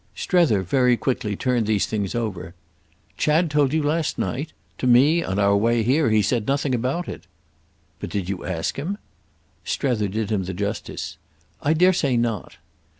Strether, very quickly, turned these things over. "Chad told you last night? To me, on our way here, he said nothing about it." "But did you ask him?" Strether did him the justice. "I dare say not."